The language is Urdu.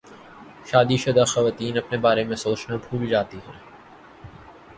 شادی شدہ خواتین اپنے بارے میں سوچنا بھول جاتی ہیں